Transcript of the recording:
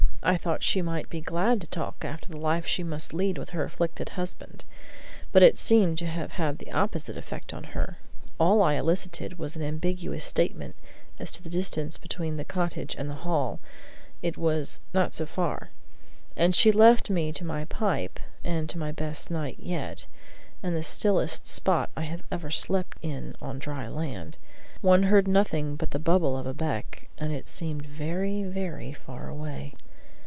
I thought she might be glad to talk after the life she must lead with her afflicted husband, but it seemed to have had the opposite effect on her. All I elicited was an ambiguous statement as to the distance between the cottage and the hall; it was "not so far." And so she left me to my pipe and to my best night yet, in the stillest spot I have ever slept in on dry land; one heard nothing but the bubble of a beck; and it seemed very, very far away.